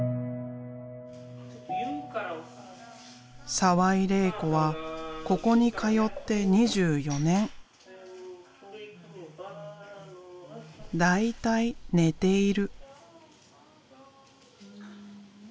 澤井玲衣子はここに通って２４年。大体寝ている。